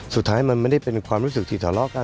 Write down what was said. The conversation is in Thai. สุดท้ายมันไม่ได้เป็นความรู้สึกที่ทะเลาะกัน